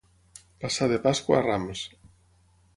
Passar de Pasqua a Rams.